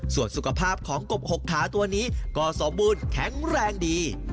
ส่วนสุขภาพของกบ๖ขาตัวนี้ก็สมบูรณ์แข็งแรงดี